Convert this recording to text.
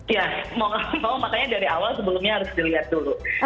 ya makanya dari awal sebelumnya harus dilihat dulu